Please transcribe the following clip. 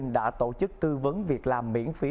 đã tổ chức tư vấn việc làm miễn phí